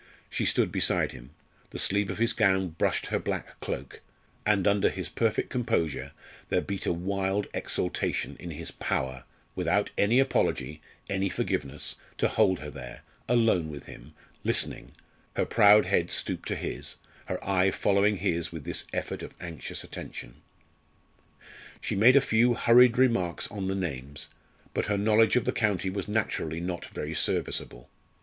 She stood beside him; the sleeve of his gown brushed her black cloak; and under his perfect composure there beat a wild exultation in his power without any apology, any forgiveness to hold her there, alone with him, listening her proud head stooped to his her eye following his with this effort of anxious attention. She made a few hurried remarks on the names, but her knowledge of the county was naturally not very serviceable.